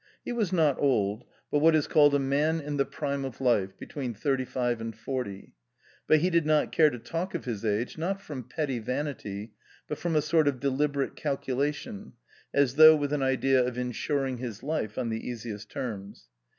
He was not old, but what is called "a man in the prime of life "— between th irty five an d forty. But he did not care to talk ^Phis age, not from petty vanity, but from a sort of deliberate calculation, as though with an idea of insuring his life on the easiest terms.